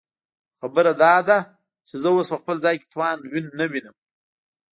خو خبره داده چې زه اوس په خپل ځان کې توان نه وينم.